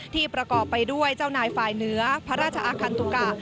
ประกอบไปด้วยเจ้านายฝ่ายเหนือพระราชอาคันตุกะ